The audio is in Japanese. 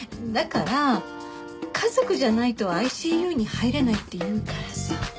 だから家族じゃないとＩＣＵに入れないっていうからさ。